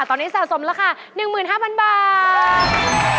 ตอนนี้สะสมราคา๑๕๐๐๐บาท